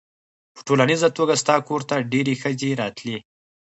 په ټولیزه توګه ستا کور ته ډېرې ښځې راتلې.